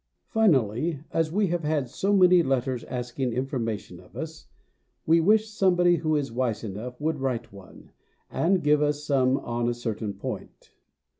Finally, as we have had so many letters asking information of us, we wish somebody who is wise enough would write one, and give us some on a certain point.